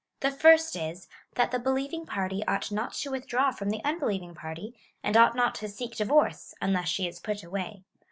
The first is, that the believing party ought not to withdraw from the unbelieving party, and ought not to seek divorce, unless she is put away.